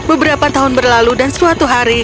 beberapa tahun berlalu dan suatu hari